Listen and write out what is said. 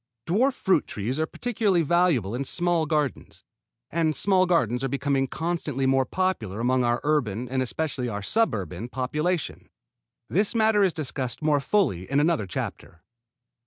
Dwarf fruit trees are particularly valuable in small gardens; and small gardens are becoming constantly more popular among our urban, and especially our suburban, population. This matter is discussed more fully in another chapter.